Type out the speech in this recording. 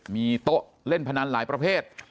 มีโต๊ะเล่นพนันหลายประเภท